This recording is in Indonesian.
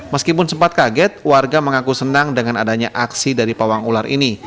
meskipun sempat kaget warga mengaku senang dengan adanya aksi dari pawang ular ini